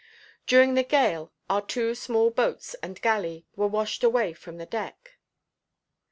During the gale our two small boats and galley were washed away from the deck.